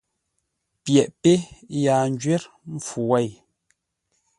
Pyeʼ pé yaa ńjwə́r mpfu wêi.